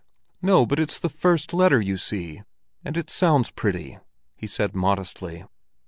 "No, but it's the first letter, you see, and it sounds pretty," he said modestly.